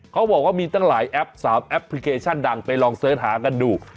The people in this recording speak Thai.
เขาบอกว่ามีตั้งหลายแอป๓แอปพลิเคชันดังไปลองเสิร์ชหากันดู